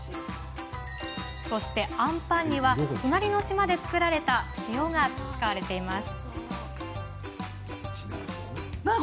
あんパンには隣の島で作られた塩が使われています。